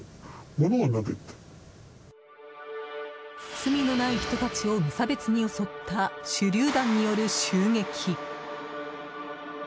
罪のない人たちを無差別に襲った手りゅう弾による襲撃。